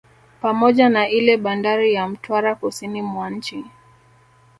Pamoja na ile bandari ya Mtwara kusini mwa nchi